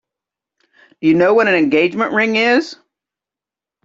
Do you know what an engagement ring is?